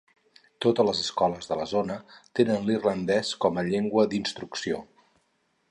Totes les escoles de la zona tenen l'irlandès com a llengua d'instrucció.